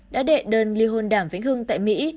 đã đệ đơn li hôn đàm vĩnh hương tại mỹ